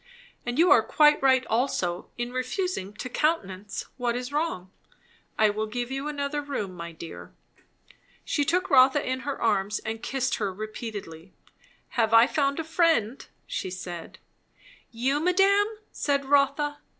And you are quite right also in refusing to countenance what is wrong. I will give you another room, my dear." She took Rotha in her arms and kissed her repeatedly. "Have I found a friend?" she said. "You, madame?" said Rotha.